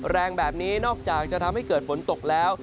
แรงแบบนี้นอกจากจะทำให้เกิดฝนตกแล้ว